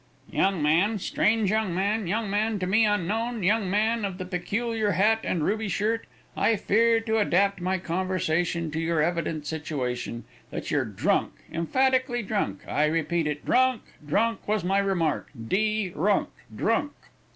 "Young man, strange young man, young man to me unknown; young man of the peculiar hat and ruby shirt, I fear to adapt my conversation to your evident situation; that you're drunk, emphatically drunk, I repeat it, drunk drunk was my remark D Runk, drunk."